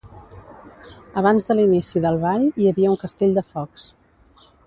Abans de l'inici del ball hi havia un castell de focs.